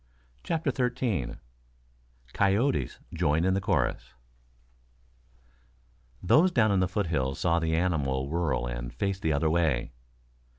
CHAPTER XIII COYOTES JOIN IN THE CHORUS Those down in the foothills saw the animal whirl and face the other way.